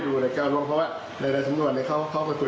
จัดการต้องกำเนินคดีฝนการกันสอบส่วย